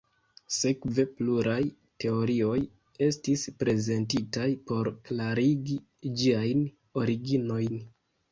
Sekve, pluraj teorioj estis prezentitaj por klarigi ĝiajn originojn.